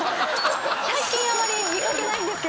最近あまり見掛けないんですが。